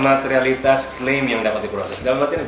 materialitas klaim yang dapat diproses